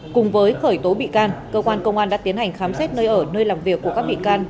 cùng với khởi tố bị can cơ quan công an đã tiến hành khám xét nơi ở nơi làm việc của các bị can